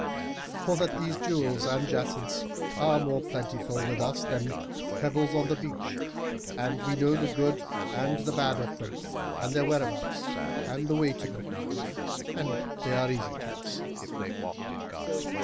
for that these jewels and jacinths are more plentiful with us than pebbles on the beach and we know the good and the bad of them and their whereabouts and the way to them, and they are easy to us."